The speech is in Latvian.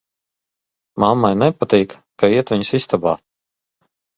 Mammai nepatīk, ka iet viņas istabā.